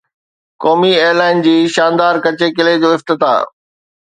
قومي ايئرلائن جي شاندار ڪچي قلعي جو افتتاح